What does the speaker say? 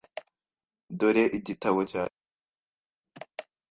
Dore igitabo cyawe wabuze.